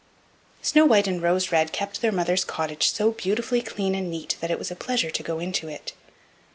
Snow white and Rose red kept their mother's cottage so beautifully clean and neat that it was a pleasure to go into it.